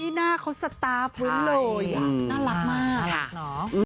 หน้าเขาสตาร์ฟวุ้นเลยน่ารักมากเนอะ